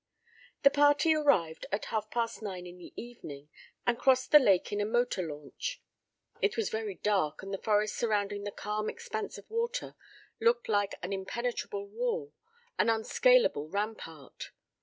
The party arrived at half past nine in the evening, and crossed the lake in a motor launch. It was very dark and the forest surrounding the calm expanse of water looked like an impenetrable wall, an unscalable rampart.